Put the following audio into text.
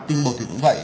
tinh bột thì cũng vậy